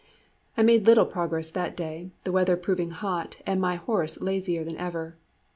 I made little progress that day, the weather proving hot, and my horse lazier than ever.